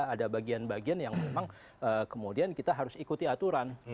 ada bagian bagian yang memang kemudian kita harus ikuti aturan